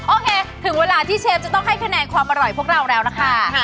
โอเคถึงเวลาที่เชฟจะต้องให้คะแนนความอร่อยพวกเราแล้วนะคะ